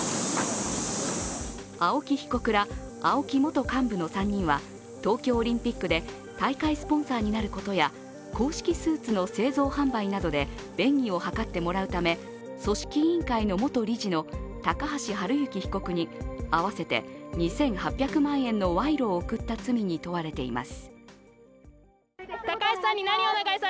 青木被告ら、ＡＯＫＩ元幹部の３人は、東京オリンピックで大会スポンサーになることや公式スーツの製造販売などで便宜を図ってもらうため組織委員会の元理事の高橋治之被告に合わせて２８００万円の賄賂を贈った罪に問われています。